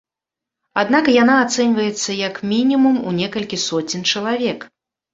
Аднак яна ацэньваецца як мінімум у некалькі соцень чалавек.